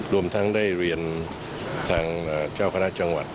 รวมทั้งได้เรียนทางเจ้าคณะจังหวัด